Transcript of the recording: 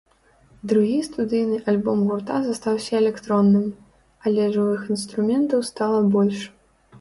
Другі студыйны альбом гурта застаўся электронным, але жывых інструментаў стала больш.